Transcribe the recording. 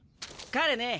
彼ね